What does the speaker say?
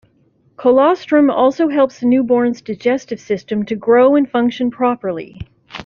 Colostrum also helps the newborn's digestive system to grow and function properly.